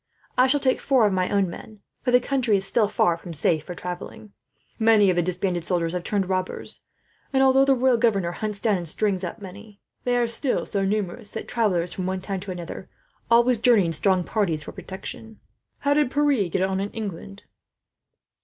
"I shall take four of my own men, for the country is still far from safe for travelling. Many of the disbanded soldiers have turned robbers and, although the royal governors hunt down and string up many, they are still so numerous that travellers from one town to another always journey in strong parties, for protection. "How did Pierre get on, in England?"